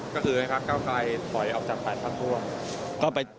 ก็คือไอ้ภักดิ์ก้าวไกลปล่อยออกจากภักดิ์ทั้งทั่ว